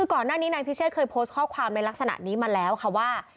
ก่อนหน้านี้นายพิเชษเคยโพสต์ข้อความในลักษณะนี้มาแล้วค่ะว่า